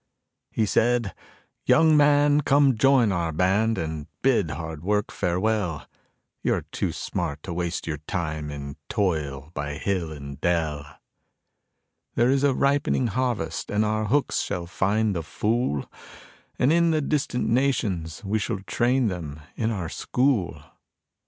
He said, "Young man, come join our band and bid hard work farewell, You are too smart to waste your time in toil by hill and dell; There is a ripening harvest and our hooks shall find the fool And in the distant nations we shall train them in our school."